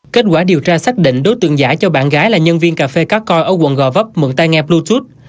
kết quả điều tra xác định đối tượng giải cho bạn gái là nhân viên cà phê cát coi ở quận gò vấp mượn tai nghe bluetooth